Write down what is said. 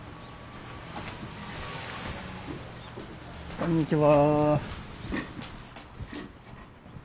こんにちは。